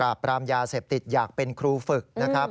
ปราบปรามยาเสพติดอยากเป็นครูฝึกนะครับ